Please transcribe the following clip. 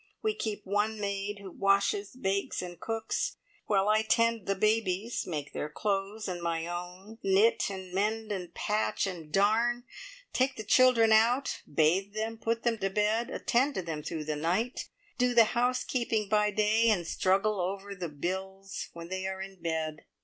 We keep one maid, who washes, bakes, and cooks, while I tend the babies, make their clothes and my own, knit, and mend, and patch, and darn, take the children out, bathe them, put them to bed, attend to them through the night, do the housekeeping by day, and struggle over the bills when they are in bed.